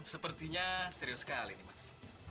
sepertinya serius sekali ini mas